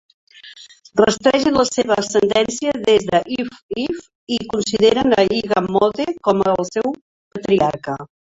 Rastregen la seva ascendència des de Ife-Ife i consideren a Iganmode com el seu patriarca.